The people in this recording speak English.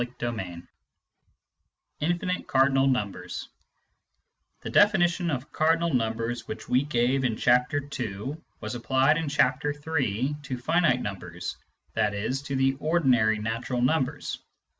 CHAPTER VIII INFINITE CARDINAL NUMBERS The definition of cardinal numbers which we gave in Chapter II. was applied in Chapter III. to finite numbers, i.e. to the ordinary natural numbers.